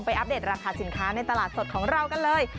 อัปเดตราคาสินค้าในตลาดสดของเรากันเลย